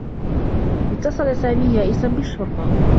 اتّصل سامي يائسا بالشّرطة.